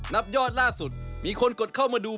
นับยอดล่าสุดมีคนกดเข้ามาดู